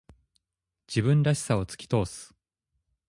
自分らしさを突き通す。